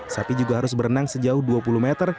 sapi juga harus berenang sejauh dua puluh meter